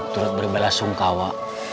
terut beribadah sungkawa